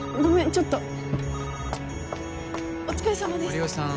ちょっとお疲れさまです森生さん